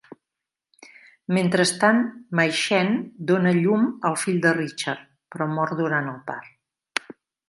Mentrestant, Mai Chen dona a llum el fill de Richard, però mor durant el part.